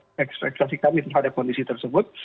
kita terhadap ekspektasi kami terhadap kondisi tersebut